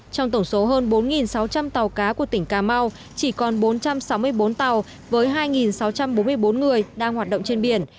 trong tổng số hơn bốn sáu trăm linh tàu cá của tỉnh cà mau chỉ còn bốn trăm sáu mươi bốn tàu với hai sáu trăm bốn mươi bốn người đang hoạt động trên biển